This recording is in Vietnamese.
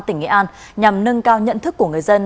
tỉnh nghệ an nhằm nâng cao nhận thức của người dân